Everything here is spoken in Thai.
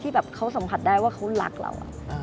แบบเขาสัมผัสได้ว่าเขารักเรา